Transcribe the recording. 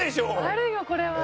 あるよこれは。